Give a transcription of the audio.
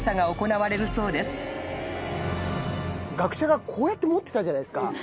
学者がこうやって持ってたじゃないっすか。